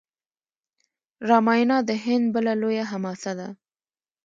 راماینا د هند بله لویه حماسه ده.